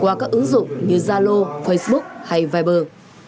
qua các ứng dụng như zalo facebook hay viber